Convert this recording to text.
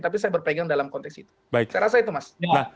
tapi saya berpegang dalam konteks itu saya rasa itu mas